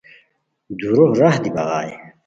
دُورو راہ دی بغائے